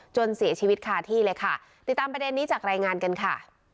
จนเสียชีวิตคาที่เลยค่ะติดตามประเด็นนี้จากรายงานกันค่ะ